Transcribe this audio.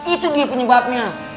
itu dia penyebabnya